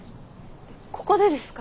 ここでですか？